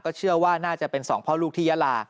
เชื่อว่าน่าจะเป็นสองพ่อลูกที่ยาลา